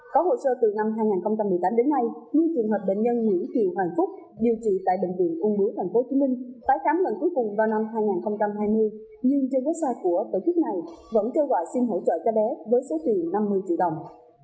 có hồ sơ từ năm hai nghìn một mươi tám đến nay như trường hợp bệnh nhân nguyễn kiều hoàng phúc điều trị tại bệnh viện ung bướu tp hcm tái khám lần cuối cùng vào năm hai nghìn hai mươi nhưng trên website của tổ chức này vẫn kêu gọi xin hỗ trợ cho bé với số tiền năm mươi triệu đồng